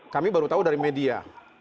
kami baru tahu dari media